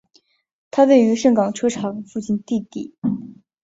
它位于盛港车厂附近地底。